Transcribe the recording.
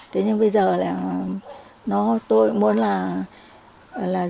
thế nhưng bây giờ là tôi muốn là giữ lại